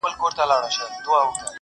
هغې نجلۍ ته مور منګی نه ورکوینه!!